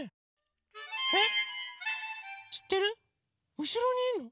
うしろにいるの？